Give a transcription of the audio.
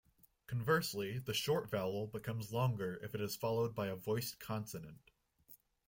Conversely, the short vowel becomes longer if it is followed by a voiced consonant.